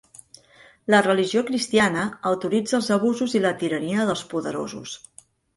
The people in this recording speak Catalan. La religió cristiana autoritza els abusos i la tirania dels poderosos.